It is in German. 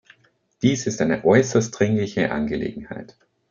Dies ist eine äußerst dringliche Angelegenheit.